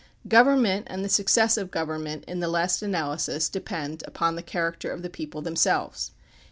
Government and the success of government in the last analysis depend on the character of the peo ple themselves.